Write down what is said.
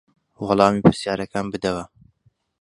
وەڵامی پرسیارەکان بدەوە.